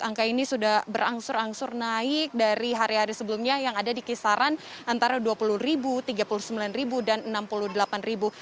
angka ini sudah berangsur angsur naik dari hari hari sebelumnya yang ada di kisaran antara dua puluh ribu tiga puluh sembilan ribu dan enam puluh delapan ribu